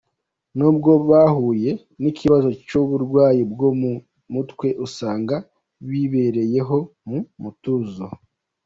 Nubwo bahuye n’ ikibazo cy’ uburwayi bwo mu mutwe usanga bibereyeho mu mutuzo.